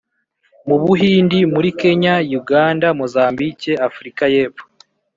mu Buhindi, muri Kenya, Uganda, Mozambique, Afrika y'epfo